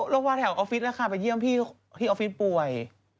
ลงมาแถวออฟฟิศไปเยี่ยมที่ออฟฟิศป่วย